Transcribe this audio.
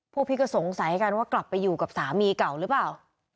พวกพี่ก็สงสัยกันว่ากลับไปอยู่กับสามีเก่าหรือเปล่า